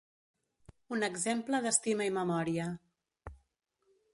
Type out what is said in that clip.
Un exemple d'estima i memòria.